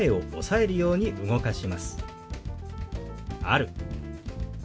「ある」。